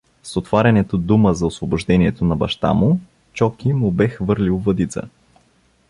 С отварянето дума за освобождението на баща му Чоки му бе хвърлил въдица.